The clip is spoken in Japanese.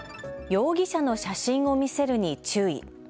容疑者の写真を見せるに注意。